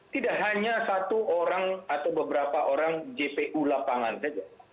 tidak hanya satu orang atau beberapa orang jpu lapangan saja